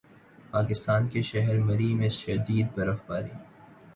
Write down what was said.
پاکستان کے شہر مری میں شدید برف باری